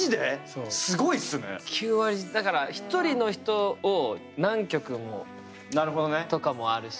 だから１人の人を何曲もとかもあるし。